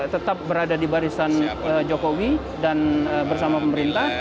tetap berada di barisan jokowi dan bersama pemerintah